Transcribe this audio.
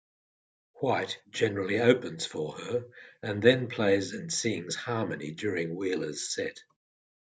White generally opens for her, and then plays and sings harmony during Wheeler's set.